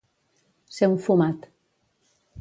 Ser un fumat.